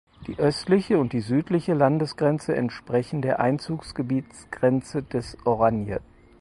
Die östliche und die südliche Landesgrenze entsprechen der Einzugsgebietsgrenze des Oranje.